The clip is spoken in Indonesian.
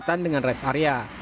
kedekatan dengan res area